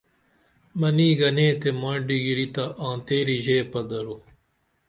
منی گنے تہ مائی ڈِگِیری تہ آنتیری ژیپہ درو